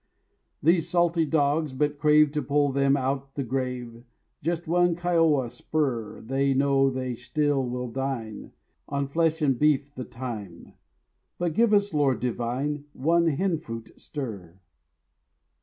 These salty dogs but crave To pull them out the grave Just one Kiowa spur. They know they still will dine On flesh and beef the time; But give us, Lord divine, One "hen fruit stir."